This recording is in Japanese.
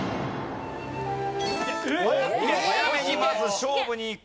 早めにまず勝負にいく。